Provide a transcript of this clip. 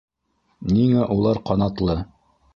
Ниңә улар ҡанатлы?